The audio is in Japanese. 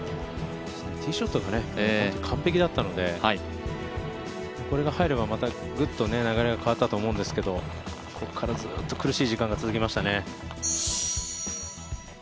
ティーショットが完璧だったのでこれが入ればまた、ぐっと流れが変わったと思うんですけどここからずーっと苦しい時間が続きましたね。